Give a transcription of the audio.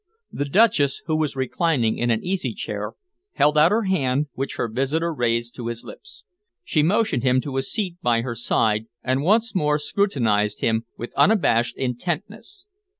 The Duchess, who was reclining in an easy chair, held out her hand, which her visitor raised to his lips. She motioned him to a seat by her side and once more scrutinised him with unabashed intentness.